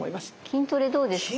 筋トレどうですか？